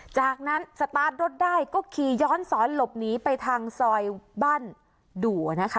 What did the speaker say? จากนั้นสตาร์ทรถได้ก็ขี่ย้อนสอนหลบหนีไปทางซอยบ้านดัวนะคะ